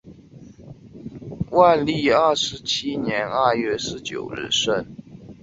万历二十七年二月十九日生。